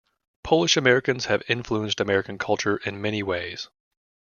Polish-Americans have influenced American culture in many ways.